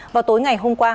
vào tối ngày hôm qua